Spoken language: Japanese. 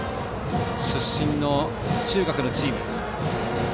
出身の中学のチーム。